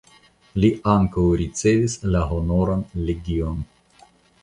Li ankaŭ ricevis la Honoran Legion.